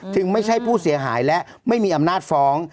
ไม่ใช่ผู้เสียหายและไม่มีอำนาจฟ้อง